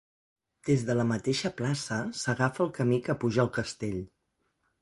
Des de la mateixa plaça s'agafa el camí que puja al castell.